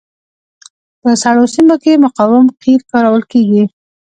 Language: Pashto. په سړو سیمو کې مقاوم قیر کارول کیږي